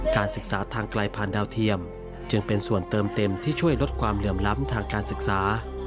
การศึกษาทางไกลผ่านดาวเทียมจึงเป็นส่วนเติมเต็มที่ช่วยลดความเหลื่อมล้ำทางการศึกษา